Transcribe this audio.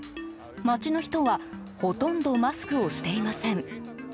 街の人はほとんどマスクをしていません。